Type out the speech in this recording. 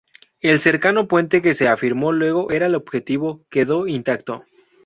El cercano puente que se afirmó luego era el objetivo, quedó intacto.